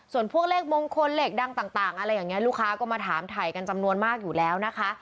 ส่วนพวกเลขมงคลเลขดังต่างอะไรอย่างนี้ลูกค้าก็มาถามถ่ายกันจำนวนมากอยู่แล้วนะคะ